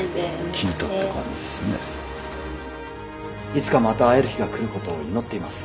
いつかまた会える日が来ることを祈っています。